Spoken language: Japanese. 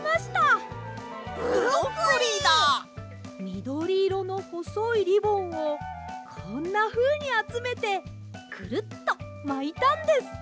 みどりいろのほそいリボンをこんなふうにあつめてクルッとまいたんです。